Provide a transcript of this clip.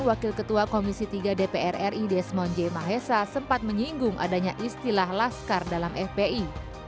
wakil ketua komisi tiga dpr ri desmond j mahesa sempat menyinggung adanya istilah laskar dalam fpi